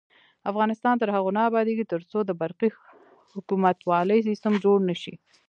افغانستان تر هغو نه ابادیږي، ترڅو د برقی حکومتولي سیستم جوړ نشي.